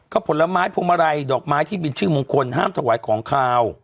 ก็ผลไม้พวงมาลัยดอกไม้ที่มีชื่อมงคลห้ามถวายของขาว